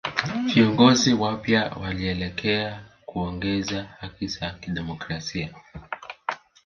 Viongozi wapya walielekea kuongeza haki za kidemokrasia